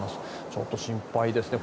ちょっと心配ですね。